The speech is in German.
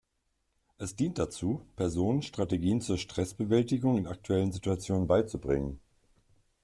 Es dient dazu, Personen Strategien zur Stressbewältigung in aktuellen Situationen beizubringen.